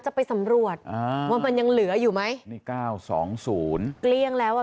จะไปสำรวจอ่าว่ามันยังเหลืออยู่ไหมนี่เก้าสองศูนย์เกลี้ยงแล้วอ่ะ